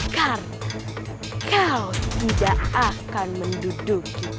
karena kau tidak akan menduduki